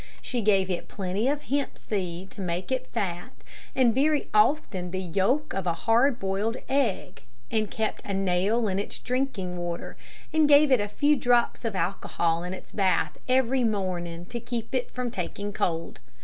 She gave it plenty of hemp seed to make it fat, and very often the yolk of a hard boiled egg, and kept a nail in its drinking water, and gave it a few drops of alcohol in its bath every morning to keep it from taking cold.